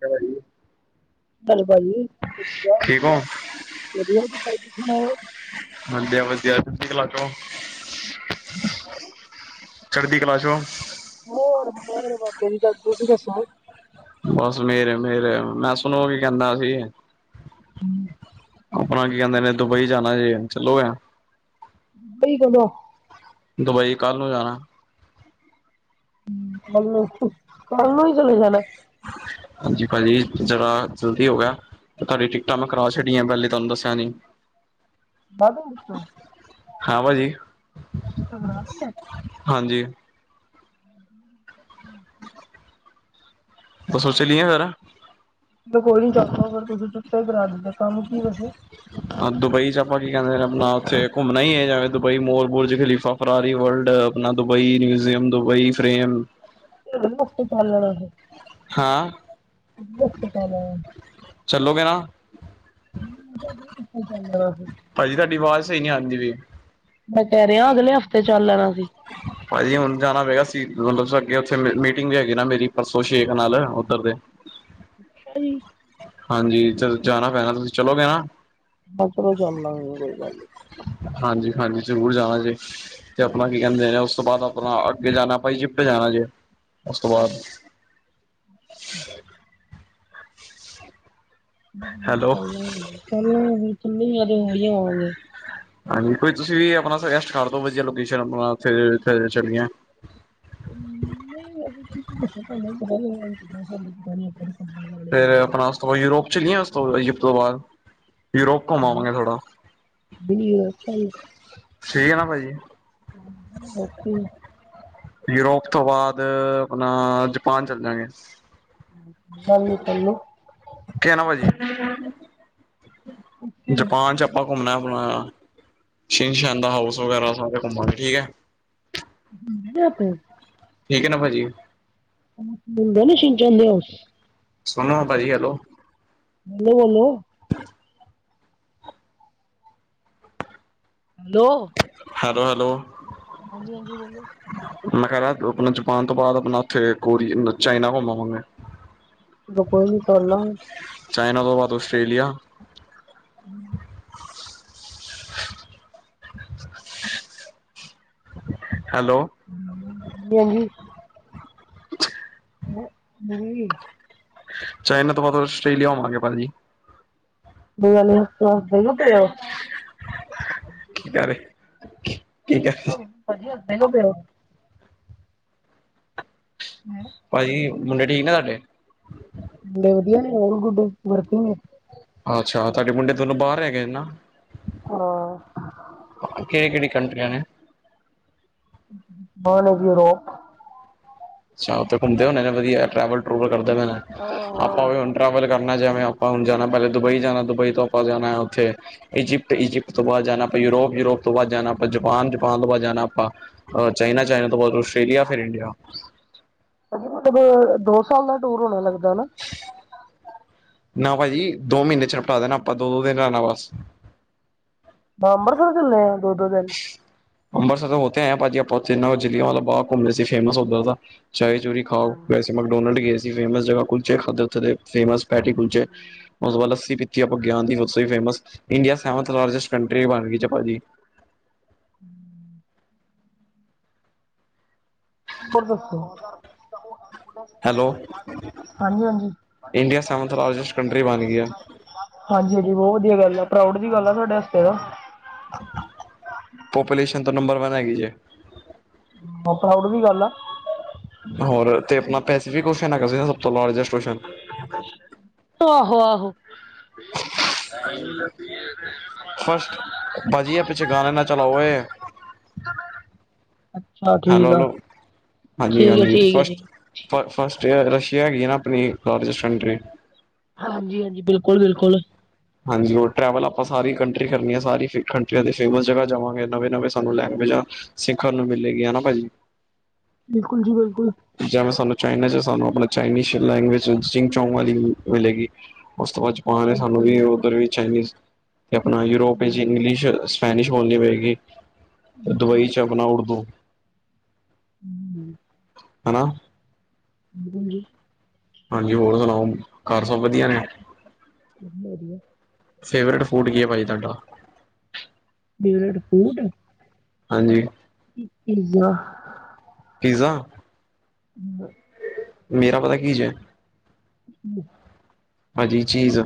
ਚਲੋ ਜੀ। ਹੈਲੋ ਭਾਈ [unintelligible] ਠੀਕ ਹੋ ਵਧੀਆ ਵਾਂ ਭਾਈ ਤੁਸੀਂ ਸੁਣਾਓ? ਵਧੀਆ ਵਧੀਆ [unintelligible] ਚੜ੍ਹਦੀ ਕਲਾ ਚ ਓ? ਹੋਰ ਮੇਹਰ ਬਾਬੇ ਦੀ ਬਸ ਤੁਸੀਂ ਦੱਸੋ? ਬਸ ਮੇਹਰ ਮੇਰ ਮੈਂ ਸੋਨੂੰ ਉਹ ਕੀ ਕਹਿੰਦਾ ਸੀ ਆਪਣਾ ਕੀ ਕਹਿੰਦੇ ਨੇ ਦੁਬਈ ਜਾਣਾ ਜੇ ਚਲੋ ਆ। ਦੁਬਈ ਕਦੋਂ? ਦੁਬਈ ਕੱਲ ਨੂੰ ਜਾਣਾ। ਕਾਲੂ ਕਾਲੂ ਈ ਚਲੇ ਜਾਣਾ। ਹਾਂਜੀ, ਭਾਜੀ ਜਰਾ ਜਲਦੀ ਹੋ ਗਿਆ। ਤੁਹਾਡੀ ਟਿਕਟਾਂ ਮੈਂ ਕਰਾ ਛੱਡੀਆਂ ਪਹਿਲੇ ਤੁਹਾਨੂੰ ਦੱਸਿਆ ਨੀ। ਹਾਂ [unintelligible] ਭਾਜੀ ਹਾਂਜੀ [unintelligible] [unintelligible] [unintelligible] ਦੱਸੋ ਚੱਲੀਏ ਫਿਰ। ਚੱਲੋ ਕੋਈ ਨੀ [unintelligible] ਹਾਂ, ਦੁਬਈ ਚ ਆਪਾਂ ਕੀ ਕਹਿੰਦੇ ਆਪਣਾ ਉੱਥੇ ਘੁੰਮਣਾ ਹੀ ਇਹ ਜਾਵੇ ਦੁਬਈ ਮੋਰ ਬੁਰਜ ਖ਼ਲੀਫਾ। ਫਰਾਰੀ ਵਰਲਡ ਆਪਣਾ ਦੁਬਈ ਮਿਊਜ਼ੀਅਮ ਦੁਬਈ ਫਰੇਮ [unintelligible] ਹਾਂ, ਅਗਲੇ ਹਫ਼ਤੇ ਚੱਲ ਲੈਣਾ ਚੱਲੋਗੇ ਨਾ? [inaudible] ਜਾਂਦਾ ਵਾਂ। ਭਾਜੀ ਤੁਹਾਡੀ ਆਵਾਜ਼ ਸਹੀ ਨਹੀਂ ਆਦੀ ਵੀ। ਮੈਂ ਕਹਿ ਰਿਹਾ ਅਗਲੇ ਹਫ਼ਤੇ ਚੱਲ ਲੈਣਾ ਸੀ। [unintelligible] ਭਾਜੀ ਹੁਣ ਜਾਣਾ ਪਏਗਾ ਸੀ ਮਤਲਬ ਉੱਥੇ ਮੀਟਿੰਗ ਵੀ ਹੈਗੀ ਨਾ ਮੇਰੀ ਪਰਸੋਂ ਛੇਖ਼ ਨਾਲ ਉੱਧਰ ਦੇ। ਅੱਛਾ ਜੀ। ਹਾਂਜੀ ਚਲ ਜਾਣਾ ਪੈਣਾ ਤੁਸੀਂ ਚਲੋਗੇ ਨਾ? ਇਧਰੋਂ ਚੱਲਨਾ ਕੋਈ ਗੱਲ ਨੀ ਹਾਂਜੀ ਹਾਂਜੀ ਜ਼ਰੂਰ ਜਾਣਾ ਜੇ ਤੇ ਆਪਣਾ ਕੀ ਕਹਿੰਦੇ ਉਸ ਤੋਂ ਬਾਅਦ ਆਪਣਾ ਅੱਗੇ ਜਾਣਾ ਪਇਜਿਪਟ ਜਾਣਾ ਜੇ ਉਸ ਤੋਂ ਬਾਅਦ [inaudible] ਹੈਲੋ ਚਲੋ [unintelligible] ਕਿੰਨੀ ਵਧੀਆ ਆਵਾਜ਼ ਹਾਂਜੀ ਕੋਈ ਤੁਸੀਂ ਵੀ ਆਪਣਾ ਸਗੈਸਟ ਕਰ ਦੋ ਵਧੀਆ ਲੋਕੇਸ਼ਨ ਆਪਣਾ ਉੱਥੇ ਚੱਲਏ ਨਹੀਂ ਅਰ ਤੁਸੀਂ ਦੱਸੋ [unintelligible] ਕਾਰ ਵਾਲੇ ਫਿਰ ਬੰਦੇ ਆਪਣਾ ਯੂਰੋਪ ਚਲੀਏ ਅ ਤੋਂ ਸਤੋਲਿਜ ਪਰਿਵਾਰ ਯੂਰੋਪ ਘੁੰਮਾਵਾਂਗੇ ਥੋੜਾ [unintelligible] ਅੱਛਾ ਜੀ ਠੀਕ ਹੈ ਨਾ ਭਾਜੀ ਰੱਖੀ ਯੂਰੋਪ ਤੋਂ ਬਾਅਦ ਆਪਣਾ ਜਪਾਨ ਚੱਲ ਜਾਂਗੇ ਹਾਂਜੀ ਚਲੋ ਕਹਿਣਾ ਭਾਜੀ ਓਕੇ ਜਪਾਨ ਚ ਆਪ ਘੁੰਮਣਾ ਆਪਣਾ ਛਿਨ ਸ਼ਾਨ ਦਾ ਹਾਊਸ ਵਗੈਰਾ ਸਾਰੇ ਘੁੰਮ ਠੀਕ ਹੈ ਘੁੰਮ ਰਿਹਾ ਫਿਰ ਠੀਕ ਹੈ ਨਾ ਭਾਜੀ [unintelligible] ਸੁਣਾ ਭਾਜੀ ਹੈਲੋ ਬੋਲੋ ਬੋਲੋ [inaudible] ਹੈਲੋ ਹੈਲੋ ਹੈਲੋ ਹਾਂਜੀ ਹਾਂਜੀ ਬੋਲੋ ਮੈਂ ਕਿਹਾ ਆਪਣਾ ਜਪਾਨ ਤੋਂ ਬਾਅਦ ਆਪਣਾ ਉੱਥੇ ਕੋਰੀ ਚਾਈਨਾ ਘੁੰਮਾ ਆਵਾਂਗੇ ਚਲੋ ਕੋਈ ਨੀ ਕਰ ਲਾਂਗੇ ਚਾਈਨਾ ਤੋਂ ਬਾਅਦ ਆਸਟਰੇਲੀਆ [inaudible] ਹੈਲੋ ਹੈਲੋ ਗਿਆ ਨਹੀਂ ਹੈ ਨਵੀਂ ਵੀ ਚਾਈਨਾ ਤੋਂ ਬਾਅਦ ਆਸਟ੍ਰੇਲੀਆ ਹੋਵਾਂਗੇ ਭਾਜੀ [unintelligible] ਕੀ ਕਰ ਰਹੇ ਹ ਪਾਜੀ ਹੱਸਦੇ ਕਯੋ ਪਏ ਹੋ ਹਮ ਭਾਜੀ ਮੁੰਡੇ ਠੀਕ ਨੇ ਤੁਹਾਡੇ। ਮੁੰਡੇ ਵਧੀਆ ਨੇ ਹੋਰ ਗੁੱਡ ਵਰਕਿੰਗ ਹੈ। ਅੱਛਾ ਤੁਹਾਡੇ ਮੁੰਡੇ ਦੋਨੋ ਬਾਹਰ ਹੈਗੇ ਏ ਨਾ ਹਾਂ ਹਾਂ ਕਿਹੜੀ ਕਿਹੜੀ ਕੰਟਰੀਆਂ ਨੇ ਪਾਲੇ ਜੀ ਰੋਪ ਸ਼ਾਮ ਤੱਕ ਘੁੰਮਦੇ ਹੋਣੇ ਵਧੀਆ ਟੈਵਲ ਟੂਰ ਕਰਦੇ ਆਪਾਂ ਟਵ ਕਰ ਨਾ ਜਵੇਂ ਆਪਾਂ ਹੁਣ ਜਾਣਾ ਪਹਿਲੇ ਦੁਬਈ ਜਾਣਾ ਦੁਬਈ ਤੋਂ ਆਪਾਂ ਜਾਣਾ ਉੱਥੇ ਇਜਿਪਟ ਇਜਿਪਟ ਤੋਂ ਬਾਅਦ ਜਾਣਾ ਯੂਰੋਪ ਯੂਰੋਪ ਤੋਂ ਬਾਅਦ ਜਾਣਾ ਆਪਾਂ ਜਪਾਨ ਜਪਾਨ ਤੋਂ ਬਾਅਦ ਜਾਣਾ ਆਪਾਂ ਅ ਚਾਈਨਾ ਚਾਈਨਾ ਤੋਂ ਬਹੁਤ ਆਸਟ੍ਰੇਲੀਆ ਫਿਰ ਇੰਡੀਆ ਉਥੇ ਦੋ ਸਾਲ ਦਾ ਟੂਰ ਹੋਣਾ ਲੱਗਦਾ ਨਾ ਨਾ ਭਾਜੀ ਦੋ ਮਹੀਨੇ ਚ ਲਪਟਾ ਦੇਣਾ ਆਪਾਂ ਦੋ ਦੋ ਦਿਨ ਲਣਾ ਬਸ ਅੰਮ੍ਰਿਤਸਰ ਮੈਂ ਆ ਦੋ ਦੋ ਦਿਨ ਅੰਮ੍ਰਿਤਸਰ ਹੋ ਤਾ ਆਏ ਹੈ ਭਾਜੀ ਆਪਾ ਉੱਥੇ ਨਾਲ ਜ਼ਿਲ੍ਹੀਆਂ ਵਾਲਾ ਬਾਗ ਘੁੰਮਦੇ ਸੀ ਫੇਮਸ ਉਧਰ ਦਾ ਚੇਰੀ ਚੂਰੀ ਖਾਓ ਵੈਸੇ ਮਕਡੋਨਲਡ ਗਏ ਸੀ ਫੇਮਸ ਜਗ੍ਹਾ ਕੁਲਚੇ ਖਾਧੇ ਉੱਥੇ ਦੇ ਫੇਮਸ ਪੈਟੀ ਕੁਲਦੇਵ ਉਸ ਤੋ ਬਾਦ ਲਸੀ ਪੀਤੀ ਕਿ ਆਪਾ ਗਿਆਨ ਦੀ ਸਬ ਸੇ famous India seventh lust country ਬਣ ਗਈ ਭਾਜੀ ਹਮ ਹੋਰ ਦਸੋ ਹਾਂਜੀ, ਹੈਲੋ ਹਾਂਜੀ। ਇੰਡੀਆ ਸੈਵਨਥ ਲਾਰਜੈਸਟ ਕੰਟਰੀ ਬਣ ਗਈ ਹੈ ਹਾਂਜੀ, ਹਾਂਜੀ ਬਹੁਤ ਵਧੀਆ ਗੱਲ ਆ ਪ੍ਰਊਡ ਦੀ ਗੱਲ ਆ ਸਾਡੇ ਵਾਸਤੇ ਤਾਂ ਪਪੂਲੇਸ਼ਨ ਤੋਂ ਨੰਬਰ ਵਨ ਹੈਗੀ ਜੇ ਪ੍ਰਾਊਡ ਦੀ ਗੱਲ ਆ ਹੋਰ ਤੇ ਆਪਣਾ ਪੈਸਫਿਕ ਸੀ ਸਭ ਤੋਂ ਲਾਰਜਸਟ [inaudible] ਆਹੋ ਆਹੋ। ਫਸ਼ਟ ਪਾਜੀ ਏ ਪਿੱਛੇ ਗਾਣੇ ਨਾ ਚਲਾਉ ਹੋਏ ਹੈ ਅੱਛਾ ਹੈਲੋ ਠੀਕ ਆ ਹੈਲੋ ਠੀਕ ਹੈ ਠੀਕ ਹੈ ਜੀ। ਫ ਠੀਕ ਫਸਟ ਰਸ਼ੀਆ ਹੈਗੀ ਨਾ ਆਪਣੀ ਲਾਰਜਸਟ ਕੰਟਰੀ ਹਾਂਜੀ, ਹਾਂਜੀ ਬਿਲਕੁਲ, ਬਿਲਕੁਲ ਹਾਂਜੀ ਹੋ ਟਰੈਵਲ ਆਪਾਂ ਸਾਰੀ ਕੰਟਰੀ ਕਰਨੀ ਆ ਸਾਰੀ ਕੰਟਰੀਆਂ ਦੀ ਫੇਮਸ ਜਗ੍ਹਾ ਜਾਵਾਂਗੇ। ਨਵੇਂ ਨਵੇਂ ਸਾਨੂੰ ਲੈਂਗੳਏਜਾਂ ਸਿੱਖਣ ਨੂੰ ਮਿਲੇਗੀਆ ਭਾਜੀ। ਬਿਲਕੁਲ ਜੀ ਬਿਲਕੁਲ। ਜਿਵੇਂ ਸਾਨੂੰ ਚਾਈਨਾ ਚ ਸਾਨੂੰ ਆਪਣਾ ਚਾਈਨੀ ਲੈਂਗਏਜ ਚਿੰਗ ਚੌਂਗ ਵਾਲੀ ਮਿਲੇਗੀ। ਉਸ ਤੋਂ ਬਾਅਦ ਜਪਾਨ ਨੇ ਸਾਨੂੰ ਬਿਲਕੁਲ ਵੀ ਜੀ ਉਧਰ ਵੀ ਚਾਈਨੀਜ਼ ਤੇ ਆਪਣਾ ਯੂਰੋਪ ਵਿੱਚ ਇੰਗਲਿਸ਼ ਸਪੈਨਿਸ਼ ਬੋਲਣੀ ਪਏਗੀ ਤੇ ਦੁਬਈ ਚ ਆਪਣਾ ਉਰਦੂ। ਹਮ [unintelligible] [inaudible] ਹਨਾ। ਹਾਂ ਹਾਂ ਜੀ। ਹਾਂਜੀ ਹੋਰ ਸੁਣਾਓ ਘਰ ਸਭ ਵਧੀਆ ਨੇ ਵਧ ਵਧੀਆ। ਫੇਵਰੇਟ ਫੂਡ ਕੀ ਆ ਪਾਜੀ ਤੁਹਾਡਾ। ਫੇਵਰਿਟ ਫੂਡ ਹਾਂਜੀ। [inaudible] ਪੀਜ਼ਾ। ਹਮ [inaudible] ਮੇਰਾ ਪਤਾ ਕੀ ਜੇ? ਹੂੰ। ਹਾਂਜੀ ਚੀਜ਼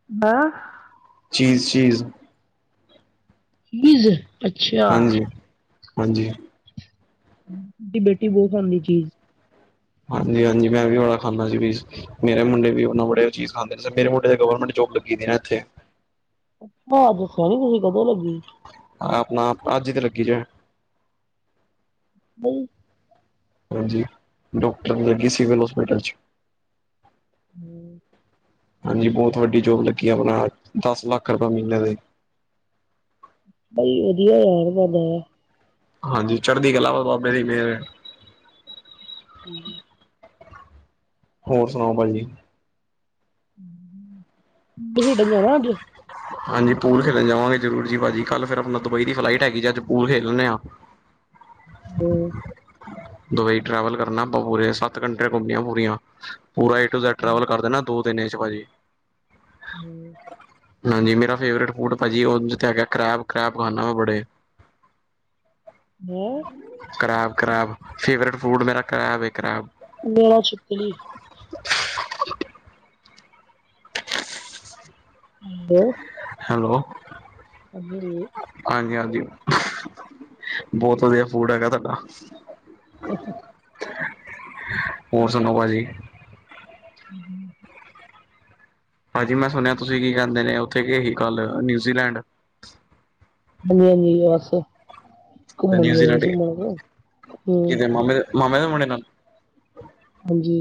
[unintelligible] ਚੀਸ-ਚੀਜ਼। ਬਜ਼ [inaudible] ਹਾਂਜੀ, ਹਾਂਜੀ। ਬੇਟੀ ਬਹੁਤ ਖਾਉਂਦੀ ਚੀਜ਼। ਹਾਂਜੀ ਹਾਂਜੀ ਮੈਂ ਵੀ ਬਾੜਾ ਖਾਂਦਾ ਸੀ ਵੀ ਮੇਰੇ ਮੁੰਡੇ ਵੀ ਉਹਨਾ ਬੜੇ ਉਹ ਚੀਜ਼ ਖਾਂਦੇ ਨੇ ਮੇ ਮੁੰਡੇ ਦੇ ਗਵਰਮੈਂਟ ਜੋਬ ਲੱਗੀ ਦੀ ਨਾ ਇੱਥੇ। ਉਹ ਅੱਜ ਸਹਿਣੀ ਤੁਸੀਂ ਕਦੋਂ ਲੱਗੀ [inaudible] ਆਪਣਾ ਅੱਜ ਈ ਤੇ ਲੱਗੀ ਜੇ ਨਹੀਂ। ਹਾਂਜੀ ਡਾਕਟਰ ਲੱਗੀ ਸਿਵਲ ਹਾਸਪਿਟਲ ਚ। ਹਮ ਹਾਂਜੀ ਬਹੁਤ ਵੱਡੀ ਜੋਬ ਲੱਗੀ ਆਪਣਾ ਦਸ ਲੱਖ ਰੁਪਏ ਮਹੀਨੇ ਦੇ। ਬਈ ਵਧੀਆ ਯਾਰ ਬਦਾ ਹਾਂਜੀ ਚੜ੍ਹਦੀ ਕਲਾ ਵਾ ਬਾਬੇ ਦੀ ਮੇਰ ਏਹੀ ਹੋਰ ਸੁਣਾਓ ਭਾਜੀ। [unintelligible] ਹਾਂਜੀ ਪੂਲ ਖੇਡਣ ਜਾਵਾਂਗੇ ਜ਼ਰੂਰ ਜੀ ਭਾਜੀ, ਕੱਲ੍ਹ ਫਿਰ ਆਪਨਾ ਦੁਬਈ ਦੀ ਫਲਾਈਟ ਹੈਗੀ ਜੇ, ਅੱਜ ਪੂਲ ਖੇਲ ਲੈਂਦੇ ਆਂ। [unintelligible] ਦੁਬਈ ਟਰੈਵਲ ਕਰਨਾ ਆਪਾਂ ਪੂਰੇ ਸੱਤ ਕੰੰਟਰੀਆਂ ਘੁੰਮਨੀਆਂ ਪੂਰੀਆਂ। ਪੂਰਾ ਏ ਟੂ ਜੈਡ ਟੈਵਲ ਕਰ ਦੇਨਾ ਦੋ ਦਿਨ ਚ ਭਾਜੀ। ਹਾਂਜੀ ਮੇਰਾ ਫੇਵਰੇਟ ਫੂਡ ਭਾਜੀ ਉਹ ਜਿੱਥੇ ਹੈਗਾ ਕਰੈਪ, ਕਰੈਪ ਖਾਂਦਾ ਮੈਂ ਬੜੇ। ਹੈਂ ਕਰੈਬ, ਕਰੈਬ ਫੇਵਰੇਟ ਫੂਡ ਮੇਰਾ ਕਰੈਬ ਐ ਕਰੈਬ। [unintelligible] ਛਿੱਪਕਲੀ। ਬੋ ਹੈਲੋ। ਹਾਂਜੀ ਹਾਂਜੀ-ਹਾਂਜੀ, ਬੋਤ ਵਧੀਆ ਫੂਡ ਹੈਗਾ ਤੁਹਾਡਾ। [inaudible] ਹੋਰ ਸੁਨਾਓ ਭਾਜੀ। ਹੂੰ, ਹੂੰ। ਭਾਜੀ ਮੈਂ ਸੁਨਿਆ ਤੁਸੀਂ ਕੀ ਕਹਿੰਦੇ ਨੇ ਉੱਥੇ ਗਏ ਸੀ ਕੱਲ ਨਿਊਜ਼ੀਲੈਂਡ। ਹਾਂਜੀ-ਹਾਂਜੀ ਯੇਸ ਤੇ ਘੁੰਮਣ ਗਏ ਦੇ ਨਿਊਜ਼ੀਲੈਂਡ ਸੀ ਮਾੜਾ ਜਿਆ, ਹੂੰ। ਕਿਤੇ ਮਾਮੇ ਦੇ ਮਾਮੇ ਦੇ ਮੁੰਡੇ ਨਾਲ। ਹਾਂਜੀ।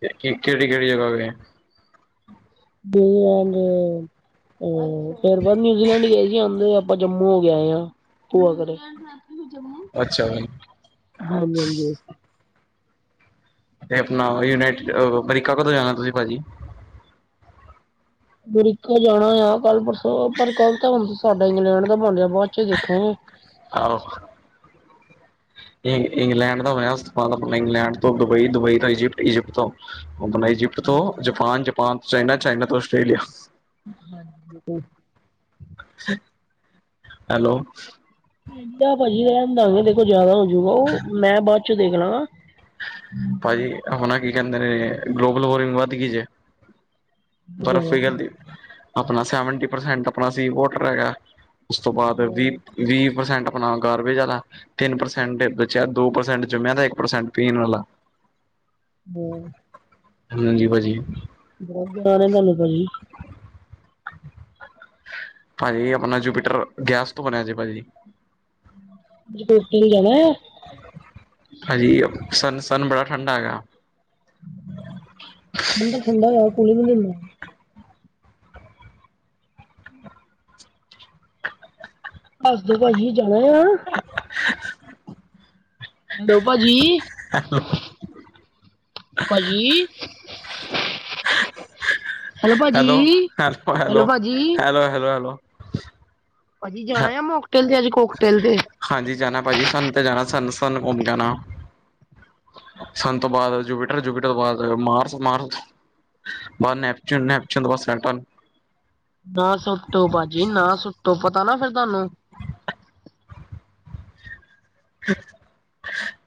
ਤੇ ਕਿ ਕਿਹੜੀ-ਕਿਹੜੀ ਜਗ੍ਹਾ ਗਏ? [unintelligible] ਅਹ ਬਸ ਪਰ ਨਿਊਜ਼ੀਲੈਂਡ ਗਏ ਸੀ ਆਂਦੀ ਵਾਰ। ਆਪਾਂ ਜੰਮੂ ਹੋ ਕੇ ਆਏ ਆਂ ਭੂਆ ਘਰੇ। ਅੱਛਾ ਬਾਈ, ਹਾਂਜੀ-ਹਾਂਜੀ। ਤੇ ਆਪਣਾ ਯੂਨਾਈਟਿਡ ਅਮਰੀਕਾ ਕਦੋਂ ਜਾਣਾ ਤੁਸੀਂ ਭਾਜੀ? ਅਮਰੀਕਾ ਜਾਣਾ ਆ ਕੱਲ ਪਰਸੋਂ ਪਰ ਕੱਲ ਤਾਂ ਹੁਣ ਸਾਡਾ ਇੰਗਲੈਂਡ ਦਾ ਬਨ ਰੇਯਾ ਬਾਦ ਚੋਂ ਦੇਖਾਂਗੇ। ਆਹੋ। ਇੰਗ, ਇੰਗਲੈਂਡ ਦਾ ਬਨਿਆ ਉਸ ਤੋਂ ਬਾਦ ਅਪਨਾ ਇੰਗਲੈਂਡ ਤੋਂ ਦੁਬਈ, ਦੁਬਈ ਤੋਂ ਇਜਿਪਟ, ਇਜਿਪਟ ਤੋਂ ਆਪਣਾ ਇਜਿਪਟ ਤੋਂ ਹਾਂਜੀ ਜਾਪਾਨ, ਜਪਾਨ ਤੋਂ ਚਾਈਨਾ, ਚਾਈਨਾ ਤੋਂ ਆਸਟ੍ਰੇਲੀਆ। ਹਾਂਜੀ [unintelligible] ਹੈਲੋ। ਇਦਾਂ ਭਾਜੀ ਰਹਿਣ ਦਾਂਗੇ ਦੇਖੋ ਜਿਆਦਾ ਹੋਜੂਗਾ, ਉਹ ਮੈਂ ਬਾਦ ਚੋਂ ਦੇਖ ਲਾਂਗਾ। ਭਾਜੀ ਹੁਣ ਐ ਕੀ ਕਹਿੰਦੇ ਨੇ ਗਲੋਬਲ ਵਾਰਮਿੰਗ ਵੱਧ ਗਈ ਜੇ। ਬਰਫ਼ ਜਾਣਾ ਹਾਂ ਪਿਗਲਦੀ, ਆਪਣਾ ਸੈਵਨਟੀ ਪਰਸੈਂਟ ਆਪਣਾ ਸੀ ਵੋਟਰ ਹੈਗਾ। ਉਸ ਤੋਂ ਬਾਦ ਵੀਹ, ਬਹੁਤ ਵੀਹ ਪ੍ਰਸੈਂਟ ਆਪਣਾ ਗਾਰਬੇਜ ਵਾਲਾ ਤਿੰਨ ਪ੍ਰਸੈਂਟ ਬ ਦੋ ਪ੍ਰਸੈਂਟ ਜੁੰਮਿਆਂ ਦਾ ਇੱਕ ਪ੍ਰਸੈਂਟ ਪੀਣ ਵਾਲਾ [unintelligible] [unintelligible] ਹਾਂਜੀ ਭਾਜੀ। ਬੋਤ ਗਿਆਨ ਏ ਤੁਹਾਨੂੰ ਭਾਜੀ। ਭਾਜੀ ਆਪਣਾ ਜੂਪੀਟਰ, ਗੈਸ ਤੋਂ ਬਣਿਆ ਜੇ ਭਾਜੀ। [unintelligible] ਹਾਂਜੀ, ਸਨ, ਸਨ ਬੜਾ ਠੰਡਾ ਹੈਗਾ। [inaudible] ਹੁਨ ਤੇ ਠੰਡਾ ਹੋਇਆ, ਕੂਲਿੰਗ ਨੀ ਦੇਂਦਾ। ਦਸ ਦੋ ਭਾਜੀ ਜਾਣਾ ਆ [unintelligible] ਡੋ ਭਾਜੀ ਹ [unintelligible] ਭਾਜੀ ਹੈਲੋ ਭਾਜੀ ਹੈਲੋ ਭਾਜੀ ਹੈਲੋ ਹੈਲੋ ਹੈਲੋ ਭਾਜੀ ਜਾਣਾ ਆ ਮੋਕਟੇਲ ਤੇ ਅੱਜ ਕੋਕਟੇਲ ਤੇ ਹਾਂਜੀ ਜਾਣਾ ਭਾਜੀ ਸਾਨੂੰ ਤਾਂ ਜਾਣਾ ਸਾਨੂੰ ਸਾਨੂੰ ਘੁੰਮ ਕੇ ਆਣਾ ਸੰਨ ਤੋਂ ਬਾਅਦ ਜੂਬੀਟਰ ਜੂਬੀਟਰ ਤੋਂ ਬਾਅਦ ਮਾਰਸ ਮਾਰਸ [unintelligible] ਨੈਪਚੂਨ ਨੈਪਚਊਨ ਤੋਂ ਬਾਦ ਸਲਟਨ ਨਾ ਸੁੱਟੋ ਭਾਜੀ ਨਾ ਸੁੱਟੋ ਪਤਾ ਨਾ ਫਿਰ ਤੁਹਾਨੂੰ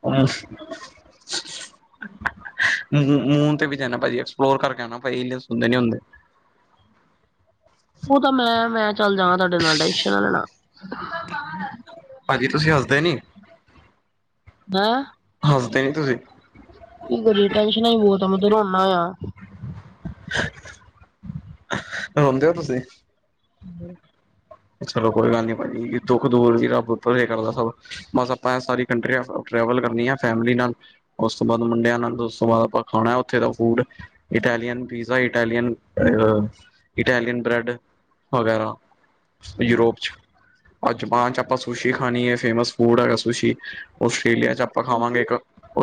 ਅ [unintelligible] ਮੂਨ ਤੇ ਵੀ ਜਾਣਾ ਭਾਜੀ ਐਕਸਪਲੋਰ ਕਰਕੇ ਆਣਾ ਹੁੰਦੇ ਨੀ ਹੁੰਦੇ ਉਹ ਤਾਂ ਮੈਂ ਮੈਂ ਚੱਲ ਜਾਵ ਤੁਹਾਡੇ ਨਾਲ ਟੈਸ਼ਨ ਨਾ ਲੈਣਾ ਬਾਹ [unintelligible] ਭਾਜੀ ਤੁਸੀਂ ਹੱਸਦੇ ਨੀ ਹ [unintelligible] ਹੱਸਦੇ ਨੀ ਤੁਸੀਂ ਕੀ ਕਰੀਏ ਟੈਨਸ਼ਨਾਂ ਹੀ ਬਹੁਤ ਏ ਮੈਂ ਤਾਂ ਰੋਨਾ ਆ ਰੋਂਦੇ ਹੋ ਤੁਸੀਂ ਹਾਂ ਚਲੋ ਕੋਈ ਗੱਲ ਨੀ ਭਾਜੀ ਦੁੱਖ ਦੂਰ ਵੀ ਰੱਬ ਉੱਪੇ ਕਰਦਾ ਸਭ ਬਸ ਆਪਾਂ ਸਾਰੀ ਕੰਟ੍ਰਿਆ ਟਰੈਵਲ ਕਰਨੀ ਆ ਫੈਮਲੀ ਨਾਲ ਉਸ ਤੋਂ ਬਾਅਦ ਮੁੰਡਿਆ ਨਾਲ ਉਸ ਤੋਂ ਬਾਅਦ ਆਪਾਂ ਖਾਣਾ ਉੱਥੇ ਦਾ food Italian pizza Italian Italian bread ਵਗੈਰਾ ਯੂਰੋਪ ਚ ਜਪਾਨ ਚ ਆਪਾਂ ਸੁਸ਼ੀ ਖਾਣੀ ਏ ਫੇਮਸ ਫੂਡ ਹੈਗਾ ਸੁਸ਼ੀ ਓਸਟ੍ਰੇਲੀਆ ਚ ਆਪਾਂ ਖਾਵਾਂਗੇ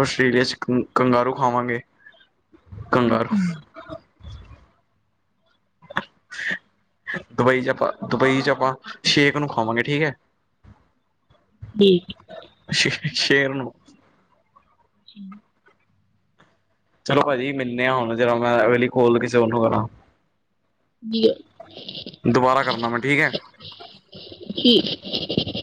ਆਸਟ੍ਰੇਲੀਆ ਚ ਕੰਗਾਰੂ ਖਾਵਾਂਗੇ ਕੰਗਾਰ ਦੁਬਈ ਚ ਆਪਾਂ ਦੁਬਈ ਚ ਆਪਾਂ ਸ਼ੇਕ ਨੂੰ ਖਾਵਾਂਗੇ ਠੀਕ ਏ [unintelligible] [unintelligible] ਸ਼ੇਰ ਨੂੰ ਜੀ ਚਲੋ ਭਾਜੀ ਮਿਲਣੇ ਹਾਂ ਹੁਣ ਜਦ ਮੈਂ ਅਗਲੀ ਕਾਲ ਕਿਸੇ ਹੋਰ ਨੂੰ ਕਰਾਂ ਦੁਬਾਰਾ ਕਰਨਾ ਮੈਂ ਠੀਕ ਹੈ। ਕੀ [unintelligible]